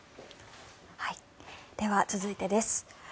では、続いてです。